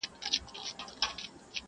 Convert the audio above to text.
باز دي کم شهباز دي کم خدنګ دی کم؛